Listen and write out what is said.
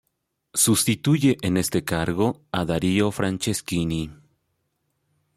Sustituye en este cargo a Dario Franceschini.